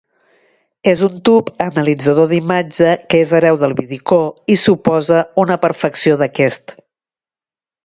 És un tub analitzador d'imatge que és hereu del vidicó i suposa una perfecció d'aquest.